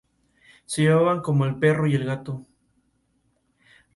En su recorrido hay varias cascadas.